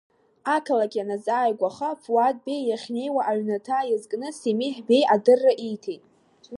Ақалақь ианазааигәаха Фуаҭ Беи, иахьнеиуа аҩнаҭа иазкны Семиҳ Беи адырра ииҭеит.